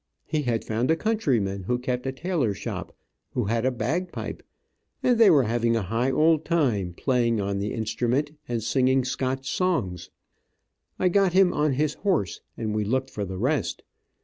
He had found a countryman who kept a tailor shop, who had a bag pipe, and they were having a high old time playing on the instrument, and singing Scotch songs. I got him on his horse, and we looked for the rest.